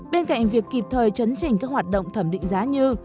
bên cạnh việc kịp thời chấn trình các hoạt động thẩm định giá như